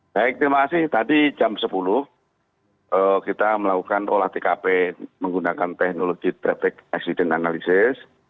baik terima kasih tadi jam sepuluh kita melakukan olah tkp menggunakan teknologi trafik aksi dan analisis